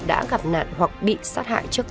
đã gặp nạn hoặc bị sát hại trước tám giờ